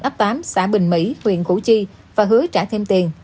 ấp tám xã bình mỹ huyện củ chi và hứa trả thêm tiền